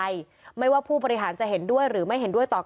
แสดงจุดยืนเกี่ยวกับกลุ่มนายประสิทธิ์เพราะนายประสิทธิ์เป็นนักศึกษาของมหาวิทยาลัย